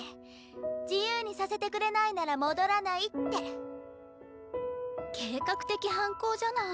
自由にさせてくれないなら戻らないって。計画的犯行じゃない？